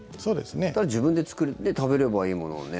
ただ自分で作って食べればいいものをね。